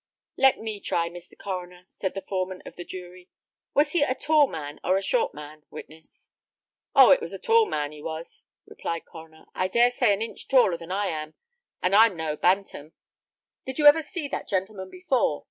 "Let me try, Mr. Coroner," said the foreman of the jury. "Was he a tall man or a short man, witness?" "Oh! it was a tall man he was," replied Connor; "I dare say an inch taller than I am, and I'm no bantam." "Did you ever see that gentleman before?"